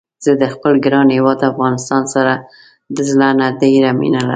زه د خپل ګران هيواد افغانستان سره د زړه نه ډيره مينه لرم